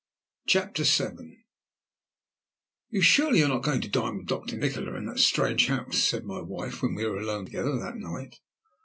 CHAPTER VII "You surely are not going to dine with Doctor Nikola in that strange house?" said my wife, when we were alone together that night.